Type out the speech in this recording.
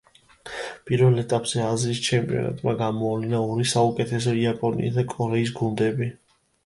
პირველ ეტაპზე აზიის ჩემპიონატმა გამოავლინა ორი საუკეთესო, იაპონიის და კორეის გუნდები.